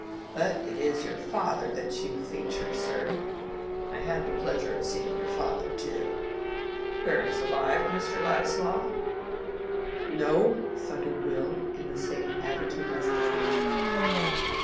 But it is your father that you feature, sir. I had the pleasure of seeing your father too. Parents alive, Mr. Ladislaw?" "No!" thundered Will, in the same attitude as before.